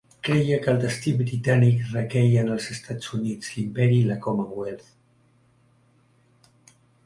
Creia que el destí britànic requeia en els Estats Units, l'imperi i la Commonwealth.